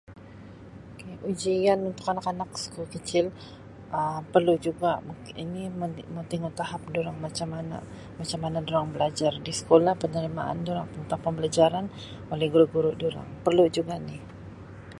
K, ujian untuk kanak-kanak sekolah perlu juga, mau tingu tahap durang macam mana, macam mana durang belajar di sekolah penerimaan tentang pembelajaran oleh guru-guru durang, perlu juga ni